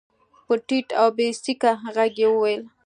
په ټيټ او بې سېکه غږ يې وويل.